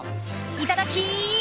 いただき！